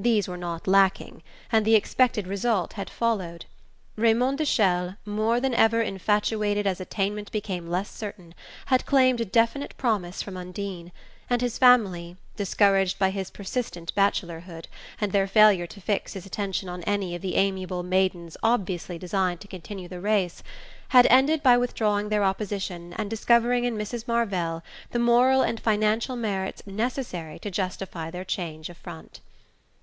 These were not lacking, and the expected result had followed. Raymond de Chelles, more than ever infatuated as attainment became less certain, had claimed a definite promise from Undine, and his family, discouraged by his persistent bachelorhood, and their failure to fix his attention on any of the amiable maidens obviously designed to continue the race, had ended by withdrawing their opposition and discovering in Mrs. Marvell the moral and financial merits necessary to justify their change of front.